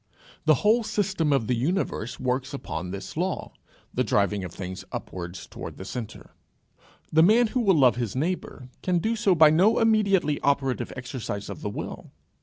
The whole system of the universe works upon this law the driving of things upward towards the centre. The man who will love his neighbour can do so by no immediately operative exercise of the will.